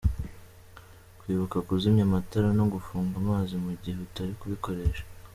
Kwibuka kuzimya amatara no gufunga amazi mu gihe utari kubikoresha.